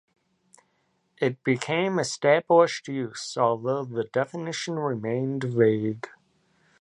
It became established use, although the definition remained vague.